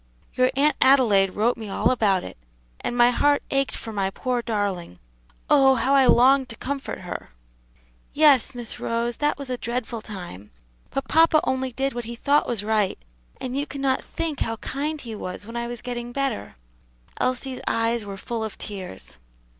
Your Aunt Adelaide wrote me all about it, and my heart ached for my poor darling; oh, how I longed to comfort her!" "Yes, Miss Rose, that was a dreadful time; but papa only did what he thought was right, and you cannot think how kind he was when I was getting better." Elsie's eyes were full of tears.